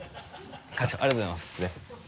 ありがとうございます。